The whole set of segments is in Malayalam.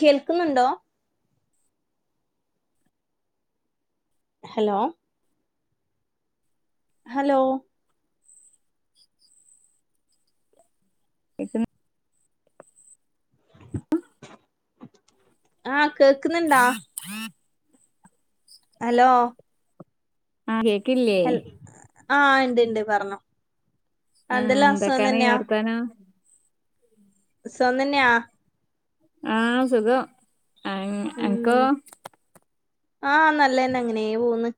കേൾക്കുന്നുണ്ടോ ഹലോ ഹലോ കേൾക്കുന്നു ആഹ് കേക്കുന്നുണ്ടാ ഹലോ ആഹ് കേക്കില്ലേ ആഹ് ഇണ്ട് ഇണ്ട് പറഞ്ഞോ ആ എന്തെല്ലാം അസുഖം എന്തൊക്കാണ് തന്നെയാ വർത്താനം സുഖംതന്നെയാ ആഹ സുഖം എനക്കോ ആഹ നല്ലതന്നെ അങ്ങനേ പോന്ന്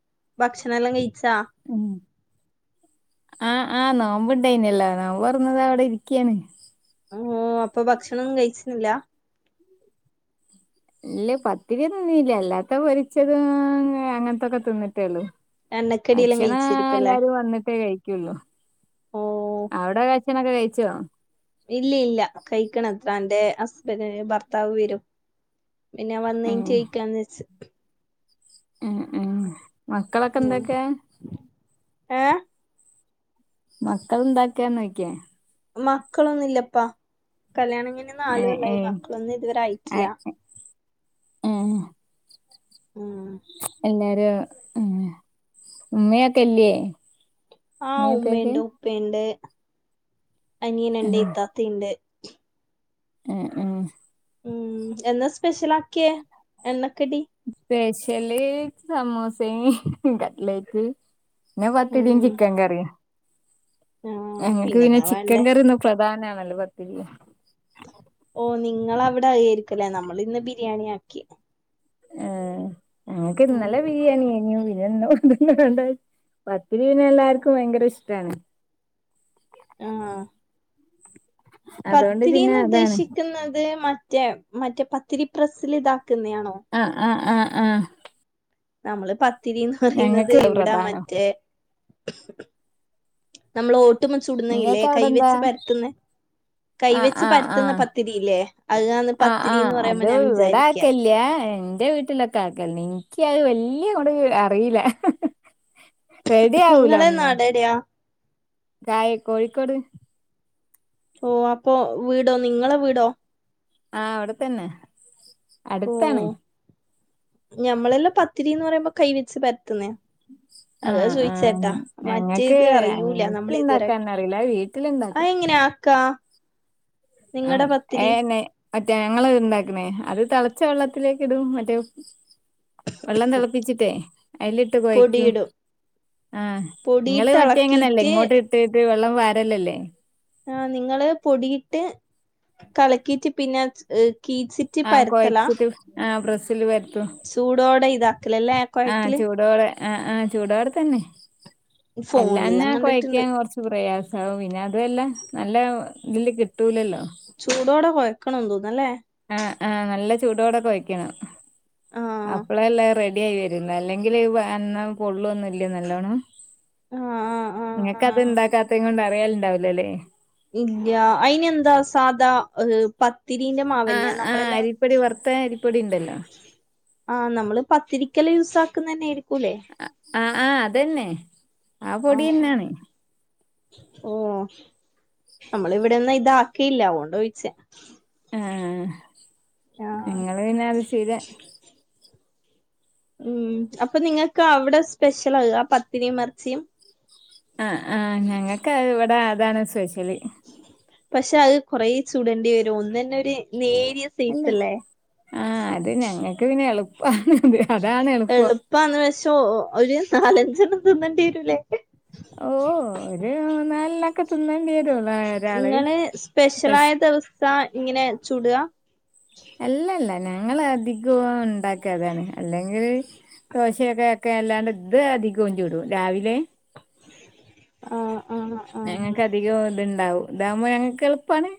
ഭക്ഷണ എല്ലാം കഴിച്ചാ ആഹ ആഹ നോമ്പ്ണ്ടായിനല്ലോ നോബൊർന്ന് ദാ അവിടെ ഇരിക്കയാണ് അഹ അപ്പൊ ഭക്ഷണം കഴിച്ചുന്നില്ല ഇല്ല പത്തിരി ഒന്നും തിന്നീല്ല അല്ലാത്ത പൊരിച്ചതും അങ്ങനത്തൊക്കെ തിന്നിട്ടേള്ളു എണ്ണക്കടിയെല്ലാം ഭക്ഷണം കഴിച്ചിരിക്കുംല്ലേ എല്ലാരും വന്നിട്ടെ കഴിക്ക ഓ അവിടെ കഴച്ചനൊക്കെ കഴിച്ചോ ഇല്ല ഇല്ല കഴിക്കണത്ര എന്റെ ഹസ്ബൻഡന്റെ ഭർത്താവ് വരും പിന്നെ വന്ന ച്യക്കാന്ന് വെച്ച ഉം ഉം മക്കളൊക്കെ എന്തൊക്കെയ ഏ മക്കൾന്താക്കാ നോക്കേ മക്കളൊന്നുംല്ലപ്പാ കല്യാണം കഴിഞ്ഞു ഏ നാലുകൊല്ലമായി മക്കളൊന്നും ഇതുവരെയിട്ടില്ല ആഹ ഉം എല്ലാരും ഉ ഉമ്മയൊക്കെല്ലേ ആഹ ഉമ്മയുണ്ട് ഉപ്പണ്ട് അനിയൻ ഉണ്ട് ഇത്താത്തിണ്ട് ഉം ഉം ഉം എന്നാ സ്പെഷ്യൽ ആക്കിയേ എണ്ണക്കടി സ്പെഷ്യല് സമോസയും കട്ലേറ്റ് പിന്നെ പത്തിരീം ഉം ചിക്കൻ കറിയും ആ ഞങ്ങക്ക് പിന്നെ പിന്നെന്നാ ചിക്കൻ വേണ്ടേ കറിന്നും പ്രധാനമാണല്ലോ പത്തിരിയും ഓ നിങ്ങളവിടെയിരിക്കല്ലേ നമ്മൾ ഇന്ന് ബിരിയാണി ആക്കി ആ ഞങ്ങൾക്ക് ഉം ഇന്നല്ലെ ബിരിയാണി അയിനു പിന്നെ ഇന്നു ണ്ട പത്തിരിപിന്നെ എല്ലാർക്കും ഭയങ്കര ഇഷ്ടമാണ് ആഹ അതുകൊണ്ട് പിന്നെ പത്തിരിന്ന് അതാണ് ഉദ്ദേശിക്കുന്നത് മറ്റേ മറ്റേ പത്തിരി പ്രസിൽ ഇതാക്കുന്നതാണോ ആ ആ ആ ആ നമ്മള് പത്തിരിന്ന് പറയുന്നത് ഞങ്ങക്ക് ഇവിടാ പ്രധാനം മറ്റേ നമ്മൾ ഓട്ട്മ്മെ ചുടുന്നഇല്ലേ ഇങ്ങക്ക് കൈ അവിടെന്താ വെച്ച് പരത്തുന്ന ആഹ് കൈവെച്ച് ആഹ് പരത്തുന്ന ആഹ് പത്തിരിയില്ലേ അതന്ന് പത്തിരി എന്ന് പറയുമെ ഇവിട ആക്കല്ലയാ എന്റെ വീട്ട റ്റക്കെ ആക്ക നിനിക്ക അത് വല്ിയ കൂടെ അറിയില്ല റെഡി ആവലന്ന് രി ഗായ കോഴിക്കോട് ഓ അപ്പൊ വീടോ നിങ്ങളെ വീടോ ആ അവിടെത്തന്നെ ഓ അടുത്താണ് ഞമ്മളെല്ലാം പത്തിരി ന്ന് പറയുമ്പോ കൈ വെച്ച് പരത്തുന്നേ ഉ അതാ ആഹ ആ ചോയിച്ചേട്ടാ ഞങ്ങക്ക് മറ്റേത് അറിയൂല എനിക്ക് നമ്മൾ ഇതുവരെ ഇണ്ടാക്കാന്നറിയില്ല വീട്ടില ഇണ്ടാക്കും ക ആ ഏ എന്നെ മറ്റേ ഞങ്ങത് ഇണ്ടാക്കണേ അത് തിളച്ച വെള്ളത്തിലേക്ക് ഇടും മറ്റേ വെള്ളം തിളപ്പിച്ചിട്ടേ അതിലിട്ട് കുഴക്കൂ പൊടിയിടും ആഹ് നിങ്ങള് പൊടിയിട്ട് മറ്റേ എങ്ങനെയല്ലേ ഇളക്കിയിട്ട് ഇങ്ങോട്ട് ഇട്ടട്ട് വെള്ളം വാരല്ലല്ലേ ആഹ് നിങ്ങള് പൊടിയിട്ട് കലക്കീയിട്ട് പിന്നെ കീറ്റ് ആഹ് കൊഴച്ചിട്ട് ആഹ് പ്രെസീൽ വര ചൂടോടെ ഇതാക്കലല്ലേ ആ ക്കയക്കല് ചൂടോടെ ആ ആഹ് ചൂടവടെത്തന്നെ ഫോണിലെല്ലാം അല്ലാന്നാ കണ്ടിട്ടുണ്ട് കൊഴക്കൻ കുറച്ച് രു പ്ര്രയാസവുംവും പിന്നെ അതെല്ലാം നല്ല ഇതില് കിട്ടൂലല്ലോ ചൂടോടെ കുഴക്കണ തോന്നല്ലേ ആ ആ നല്ല ചൂടോടെൊക്കെ വയ്ക്കണം ആ അപ്പള എല്ലാം റെഡി ആയി വര അല്ലെങ്കിൽ എന്ന പൊള്ളുവൊന്നും ഇല്ല നല്ലോണ് ആ ആ ആ നിങ്ങക്ക അത് ആ ഇണ്ടാക്കാത്ത കൊണ്ട് അറിയാലുണ്ടാവലല്ലേ ഇല്ല അയിനന്താ സാധാഹ് പത്തിരിന്റെ മാവന്നെയ നമ്മളെല്ലാം ഇപ്പടി വർത്ത ഇരിപ്പടി ഉണ്ടല്ലോ ആഹ നമ്മള് പത്തിരിക്കൽ യൂസ ആക്കുന്ന തന്നൊയിരിക്കും ആ ആ അതന്നെ ആ പൊടിന്നാണ് ഓ നമ്മള ഇവിടെന്ന ഇതാക്കിയില്ല പോണ്ടോയിച്ച ആഹ ആഹ് ങ്ങള് പിന്നെ അത് ശീര ഉം അപ്പൊ നിങ്ങൾക്ക് അവിടെ സ്പെഷ്യൽ ആകുക പത്തിരി മർച്ചിയും ആ ആ ഞങ്ങൾക്ക് ഇവിടെ അതാണ് സ്പെഷ്യലി പക്ഷെ അത് കുറേ ചൂടണ്ടി വരും ഒന്ന തന്നെ ഒരു നേരിയ അല്ലെ സൈസല്ലേ ആഹ അത് ഞങ്ങക്ക് പിന്നെ എളുപ്പണത് അതാണ് എളുപ്പം ഇപ്പ അന്ന്വശോ ഒരു നാലഞ്ചെണ്ണം തിന്നേണ്ടി വരൂല്ലേ ഓ ഒരു നാലിനൊക്കെ തിന്നേണ്ടി വരുള്ളൂ ഒരാള് നിങ്ങള് പക്ഷെ സ്പെഷ്യലായ ദിവസ ഇങ്ങനെ ചൂടുക അല്ലല്ല ഞങ്ങ അധികവും ഉണ്ടാക്കതാണ് അല്ലെങ്കില് ദോശയൊക്കെ ഒക്കെ അല്ലാണ്ട് ഇത് അധികവും ചൂടും രാവിലെ ആ ആ ഞങ്ങക്ക് അധികം ഇത്ണ്ടാവും ഇതാവകുമ്പോ ഞങ്ങക്ക് എളുപ്പാണ്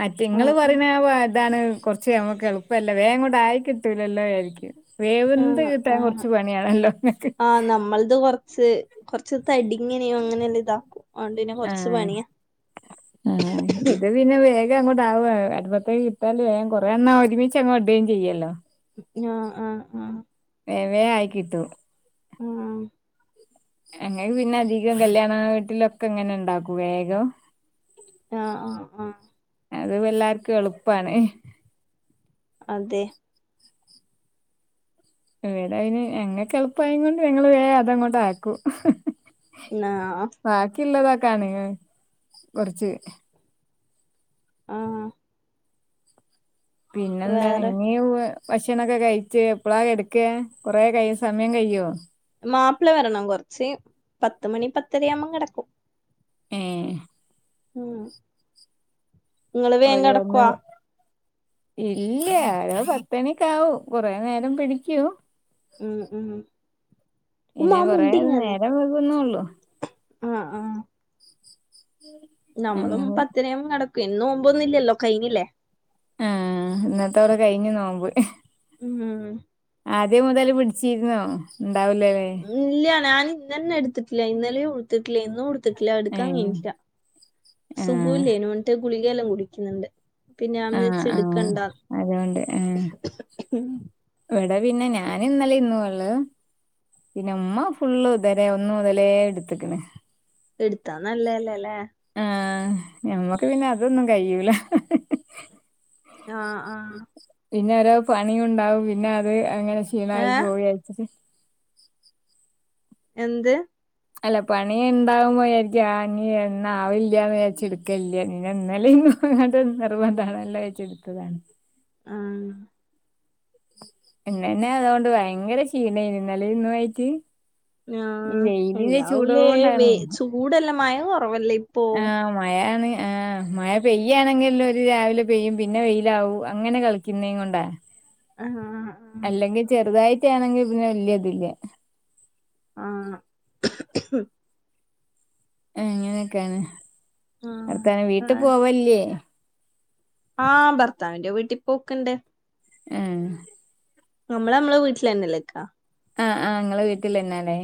മറ്റെങ്ങള് ആഹ് പറഞ്ഞ ഇതാണ് കുറച്ച് നമ്മുക്ക് എളുപ്പമല്ലേ വേം കൊണ്ട് ആയി കിട്ടൂല എല്ലോ ആരിക്കും വേവന്ത് കിട്ടാൻ കുറച്ച് പണിയാണല്ലോ നിക്ക് ആഹ നമ്മളത് കൊറ കുറച്ച് തടിങ്ങനെയോ അങ്ങനെല്ലാം ഇതാക്കും ഉണ്ടന്നെ കൊറച്ച് ആഹ് പണിയാ അന്നെ വേഗം അങ്ങോട്ടവ അരുപത്തേക്ക് കട്ടല് വേം കുറെേന്നാ ഒരുമിച്ച് അങ്ങോ ഇടുകയും ചെയ്യല്ലോ ആ ആ ആ വേവേ ആയിക്കിട്ടു. ആ അങ്ങക്ക് പിന്നെ അധികം കല്യാണ വീട്ടിലൊക്കെ ഇങ്ങനെ ണ്ടാക്കൂ വേഗം. ആ ആ ആ അത് എല്ലാർക്കും എളുപ്പാണ്. അതെ എടാ അന് എങ്ങങ് എളുപ്പായ കൊണ്ട് ഞങ്ങള് വേ അതങ്ങോട്ട ആക്കും ആ ബാക്കിള്ളതൊക്കാണ് കൊറച്ച്. ആഹ് പിന്നെന്താ വേറെ ഇങ്ങെയ. ഭക്ഷണൊക്കെ കഴിച്ച് എപ്പളാ കടക്ക കൊറെേ കൈ സമയം കയോ? മാപ്പിള വരണം കൊറച്ച് പത്ത് മണി പത്തരയാവുമ്പം കിടക്കും. ഏഹ് ആഹ് ഓര് വന്നു കെടക്കോ ഇല്ല ഒരു പത്തണിക്കാവും കുറേ നേരം പിടിക്കും ഉം ഉം ഉമ്മാ പിന്നെ ആ കൊറേ മുണ്ട് ഇങ്ങന്നെ നേരം വൈകുന്നേ ഉള്ളു. ആഹ് ആഹ്. ഉം നമ്മളും പത്ത് മണിയാകുമ്പോ കടക്ക്വേ. ഇന്ന് നോമ്പൊന്നില്ലല്ലോ കഴിഞ്ഞില്ലേ. ഏഹ് ഇന്നത്തോടെ കഴിഞ്ഞ് നോമ്പ്. ഉം ആദ്യം മുതല് പിടിച്ചിര്ന്നോ? ഉണ്ടാവൂല ലേ. ഇല്ല. ഞാന് ഇന്നന്നെ എടുത്തിട്ടില്ല ഇന്നലെയും എടുത്തിട്ടില്ല. ഇന്നും ത്ത്ട്ടില്ല. എടുക്കാൻ ഏഹ് കഴിഞ്ഞ്ടില്ല ആഹ് സുഖൂല്ലേനു ന്നിട്ട് ഗുളികെയെല്ലാം കുടിക്ക്യ്ന്ന്ണ്ട്. പിന്നെ ഞാം ആഹ് വിജാച്ച് ആഹ് ഇടുക്കണ്ടാ അതുകൊണ്ട് വടെ പിന്നെ ഞാനിന്നലെ ഇന്നു ആ ള്ളെ പിന്നെ ഉമ്മ ഫുള്ള് ഇതരെ ഒന്നു മുതലേ എടുത്ക്കണ്. എടുത്താ നല്ലതല്ലേ ലേ. ആഹ് ഞമ്മക്ക് പിന്നെ അതൊന്നും കയ്യൂല. ആഹ്ആഹ്. പിന്നെ ഒരോ പണിയൂണ്ടാവും പിന്നെ അത് അങ്ങനെ ക്ഷീണായി ഏഹ് പോവും വിചാരിച്ചിട്ട്. എന്ത് അല്ല പണി ഉണ്ടാവുമ്പോ യിജാരിക്ക്യു ആഹ് നി ഇന്നാവില്ല്യാന്ന് വിചാര്ച്ച് ഇടുക്കലില്ല. പിന്നെ ഇന്നലീം ഇന്നും. അങ്ങട് നിർബന്താണല്ലോ ച്ച് ഇടുത്തതാണ്. ആഹ്. ഇന്നന്നെ അതുകൊണ്ട് ഭയങ്കര ക്ഷീണേനി ഇന്നലിം ഇന്നും ആയിട്ട്. ഈ ആഹ് വെയിലിന്റെ ഇണ്ടാവൂലേ വേ ചൂടോണ്ടാണ് ചൂടല്ലെ മയ കൊറവല്ലേ ഇപ്പൊ. ആഹ് മഴയാണ്. ആഹ് മഴ പെയ്യാണെങ്കിലൊര് രാവിലെ പെയ്യും. പിന്നെ വെയിലാവും അങ്ങനെ കളി ക്കിന്നെം കൊണ്ട. ആഹ് ആ അല്ലെങ്കി ചെറുതായിട്ടാണെങ്കി പിന്നെ വല്യതില്ല. ആഹ് അങ്ങനെയൊക്കേണ് വർത്താനം. ആഹ് വീട്ടി ആഹ് പോവലില്ലേ? ആഹ് ഭർത്താവിന്റെ വീട്ടി പോക്ക്ണ്ട്. ഏഹ്. നമ്മള് നമ്മള വീട്ടിലന്നെല്ലെ ക്കാ. ആഹ് ആഹ് ഇങ്ങളെ വീട്ടിലെന്നാലേ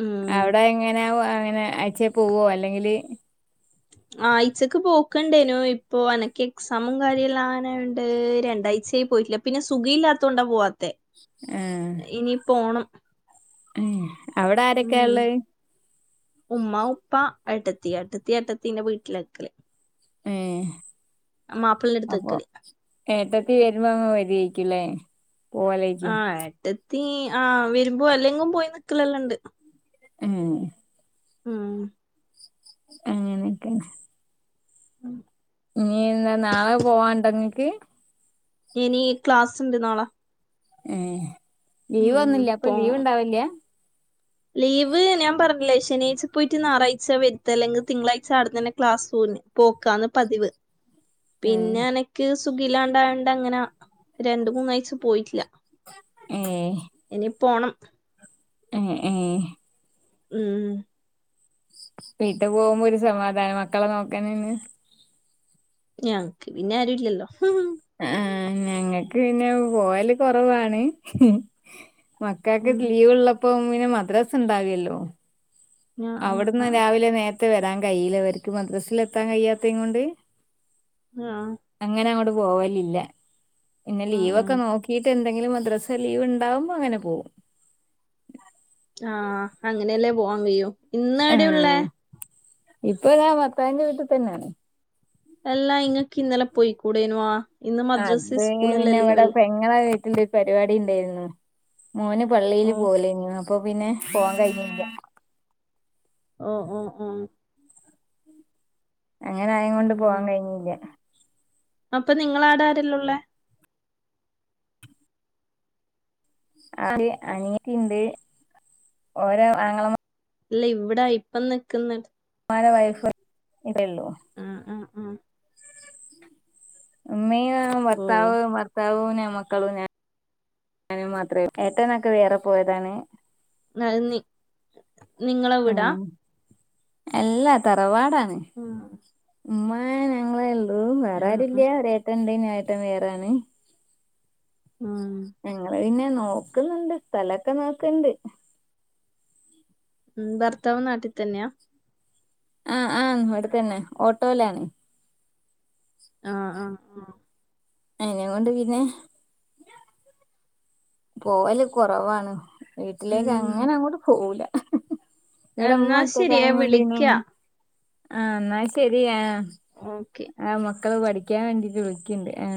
ഉം അവിടെ എങ്ങനെ അങ്ങനെ ആയ്ച്ചേ പോവോ അല്ലെങ്കിൽ ആഴ്ച്ചക്ക് പോക്ക് ഇണ്ടേനു. ഇപ്പോ എനക്ക് എക്സാമും കാര്യല്ലാ ആവാനായോണ്ട് രണ്ടാഴ്ചയി പോയിട്ടില്ല. പിന്നെ സുഖി ഇല്ലാത്തോണ്ടാ പോവാത്തെ ഏഹ്. ഇനി പോണം ഏഹ് അവിടാരൊക്കാ ഉം ഇള്ളത്? ഉമ്മ, ഉപ്പ, എട്ടത്തി. എട്ടത്തി എട്ടത്തിന്റെ വീട്ടിലാ ക്കല്. ഏഹ്. മാപ്പിളന്റെ അടുത്ത് അപ്പം നിക്കല് ഏട്ടത്തി വരുമ്പോ ഇങ്ങ വര്വേക്കുംല്ലേ ആഹ് ഏട്ടത്തി, ആഹ് വരുമ്പോ അല്ലെങ്കും പോയി നിക്കലല്ലണ്ട് ഏഹ് ഉം അങ്ങനൊക്കെണ് ഉം ഇഞി എന്താ നാളെ പോവാണ്ടൊങ്ങക്ക്? ഇനി ക്ലാസ്സുണ്ട് നാള ഏ ലീവ് ഒന്നുല്ല ഇപ്പ പോണം ലീവിണ്ടാവില്ലൃ ലീവ് ഞാൻ പറഞ്ഞില്ലേ ശനിയാഴ്ച പോയിട്ട് ഞായറാഴ്ച വരുത്തല്ലെങ് തിങ്കളാഴ്ച അവ്ട്ന്നനെ ക്ലാസൂന് പോക്കാന്ന് പതിവ് ഉം പിന്ന അനക്ക് സുഖില്ലാണ്ടായോണ്ടങ്ങനെ രണ്ട് മൂന്നാഴച്ച പോയിട്ടില്ല ഏ ഇനി പ്പോണം ഏ ഏഹ് ഉം വീട്ടിൽ പോവുംമ്പോ ഒരു സമാധാനം മക്കളെ നോക്കാനെന്ന് ഞങ്ങക്ക് പിന്നെ ആരുല്ലല്ലോ ആഹ് ഞങ്ങക്ക് പിന്നെ പോവല് കൊറവാണ് മക്കക്ക് ഉം ലീവിള്ളപ്പോ പിന്ന മദ്രസിണ്ടാവിലല്ലോ ഞാ ആഹ് അവിട്ന്ന് ആഹ് രാവിലെ നേര്ത്തെ വെരാൻ കയ്യില്ല ഇവർക്ക് മദ്രസേൽ എത്താൻ കഴിയാത്തേങ് കൊണ്ട് ഹാ അങ്ങനെ അങ്ങോട്ട് പോവലില്ല പിന്ന ആഹ് ലീവൊക്കെ നോക്കീട്ട് എ എന്തെങ്കിലും മദ്രസേ ലീവിണ്ടാവുംമ്പോ അങനെ പോം ആഹ് അങ്ങനെയല്ലേ പോവാൻ കഴിയൂ ഇന്ന് എവിടെയുള്ളേ ആഹ് ഇപ്പൊ ഞാൻ ഭർത്താവിന്റെ വീട്ടി തന്ന അല്ലാ ഇങ്ങക്ക് ഇന്നലെ പൊയിക്കൂടേനുവാ ഇന്ന് മദ്രസി സ്കൂളല്ലേ ലീവല്ലേ നിങ്ങള വീട്ടിന്റെ ഒരു പരിപാടി ഇണ്ടായിരുന്നു മോന് പള്ളിയില് ഓഹ് പോവലാര്ന്നു അപ്പൊ പിന്നെ പോവാൻ കഴിഞ്ഞില്ല ഓ ഓ ഉം അങ്ങനെ ആയോണ്ട് പോവാൻ കഴിഞ്ഞില്ല അപ്പ നിങ്ങളവ്ട ആരെല്ലാം ഉള്ളേ അത് അനിയത്തി ഇണ്ട് ഓരോ ആങ്ങള ഇല്ല ഇവിടെ ഇപ്പം നിക്കുന്ന ഉമ്മാരെ വൈഫ് ഇവ്ടുള്ളൂ ആഹ് ആഹ് ആഹ് ഉംമീയ ഓഹ് ഭർത്താവ് ഭർത്താവൂനമക് മക്കളു ഞാൻ മാത്രേ ഏട്ടനൊക്കെ വേറെ പോയതാണ് നന്ദി നിങ്ങള വീടാ എല്ലാ തറവാടാണ് ഉം ഉമ്മാ ഞങ്ങളെ ഒള്ളു ആഹ് ആഹ് വേറാരുല്ല ഒരേട്ടൻ ഇണ്ടാര്ന്നു ഞാ ഏട്ടൻ വേറാണ് ഉം ഞങ്ങള് പിന്നെ നോക്ക്ന്നുണ്ട് സ്ഥലൊക്കെ നോക്ക്ണ്ട് ഉം ഭർത്താവ് നാട്ടി തന്നെയാ ആഹ് ആ അവിട തന്നെ ഓട്ടോയിലാണ് ആഹ് ആഹ് ആഹ് എങ്ങനെ കൊണ്ട് പിന്നെ പോവല് കൊറവാണ് വീട്ടിലേക്ക് ഉം അങ്ങനങ്ങോട്ട് പോവൂല ഇവിടെ ഇമ്മ എന്നാ ശരി ഞാൻ ഒറ്റകായങോണ്ട് പിന്ന വിളിക്കാ ആഹ് എന്നാ ശെരിയാ ഓക്കെ ആ മക്കള് പഠിക്കാൻ വേണ്ടീട്ട് വിളിക്കണ്ട് ആ